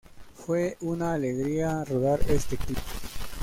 Fue una alegría rodar este clip.